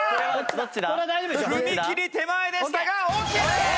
踏み切り手前でしたがオッケーです！